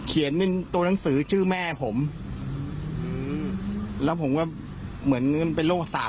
เขียนเป็นตัวหนังสือชื่อแม่ผมอืมแล้วผมว่าเหมือนเป็นโรคสาม